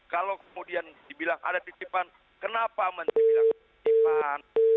kalau kemudian dibilang ada titipan kenapa mesti dibilang titipan